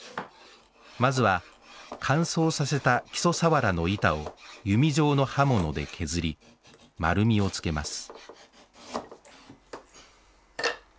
まずは乾燥させたキソサワラの板を弓状の刃物で削り丸みをつけます